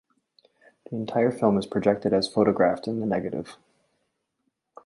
The entire film is projected as photographed in the negative.